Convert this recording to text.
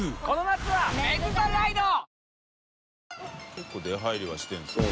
結構出入りはしてるんですよね。